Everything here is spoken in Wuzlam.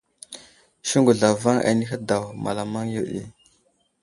Siŋgu zlavaŋ anəhi daw malamaŋ yo ɗi.